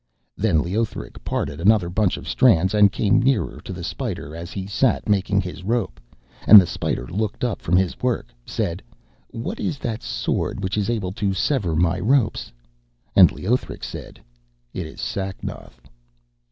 Then Leothric parted another bunch of strands, and came nearer to the spider as he sat making his rope, and the spider, looking up from his work, said: 'What is that sword which is able to sever my ropes?' And Leothric said: 'It is Sacnoth.'